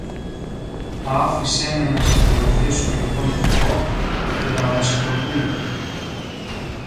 Άφησε με να σε βοηθήσω λοιπόν κι εγώ, κυρα-Βασιλοπούλα.